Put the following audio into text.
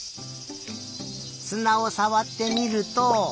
すなをさわってみると。